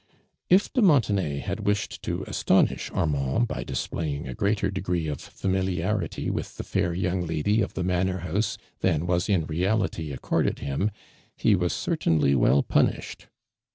If de Montenay had wisliod to astonish Armand, by displaying a greater degree ot 26 ARMAND l)UKANI>. lamiliarity with tho fair young lady of the Manor house than was in reality accoided him, he whs certainly well punished.